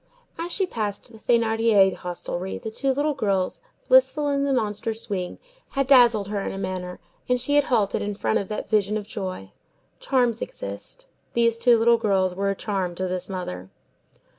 As she passed the Thénardier hostelry, the two little girls, blissful in the monster swing, had dazzled her in a manner, and she had halted in front of that vision of joy. Charms exist. These two little girls were a charm to this mother.